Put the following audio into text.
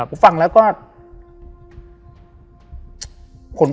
เพื่อที่จะให้แก้วเนี่ยหลอกลวงเค